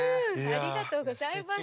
ありがとうございます。